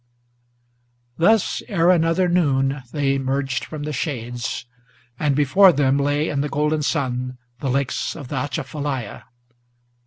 Thus ere another noon they emerged from the shades; and before them Lay, in the golden sun, the lakes of the Atchafalaya.